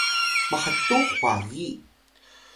mhtux wagi